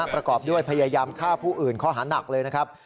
ประกอบด้วยพยายามฆ่าผู้อื่นข้อหานักเลยนะครับ